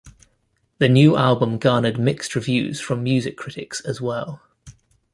The new album garnered mixed reviews from music critics as well.